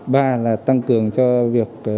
ba là tăng cường cho việc